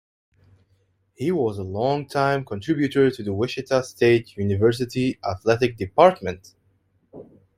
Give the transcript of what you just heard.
He was a longtime contributor to the Wichita State University athletic department.